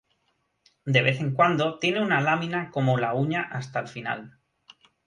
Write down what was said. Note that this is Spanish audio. De vez en cuando tiene una lámina como la uña hasta el final.